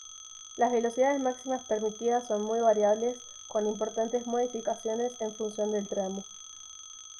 Las velocidades máximas permitidas son muy variables con importantes modificaciones en función del tramo.